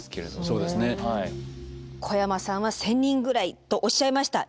で小山さんは１，０００人ぐらいとおっしゃいました。